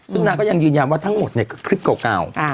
ซึ่งนางก็ยังยืนยันว่าทั้งหมดเนี่ยคือคลิปเก่า